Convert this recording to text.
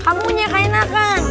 kamunya enak kan